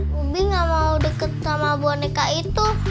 bumi gak mau deket sama boneka itu